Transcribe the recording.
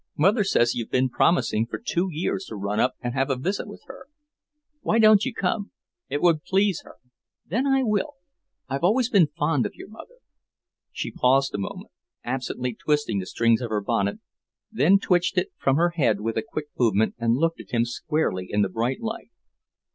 Mother says you've been promising for two years to run up and have a visit with her. Why don't you come? It would please her." "Then I will. I've always been fond of your mother." She paused a moment, absently twisting the strings of her bonnet, then twitched it from her head with a quick movement and looked at him squarely in the bright light.